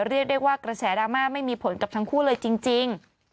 เรียกได้ว่ากระแสดราม่าไม่มีผลกับทั้งคู่เลยจริง